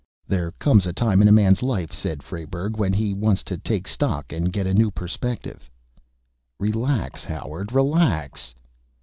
"There comes a time in a man's life," said Frayberg, "when he wants to take stock, get a new perspective." "Relax, Howard, relax."